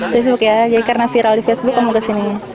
facebook ya jadi karena viral di facebook kamu kesini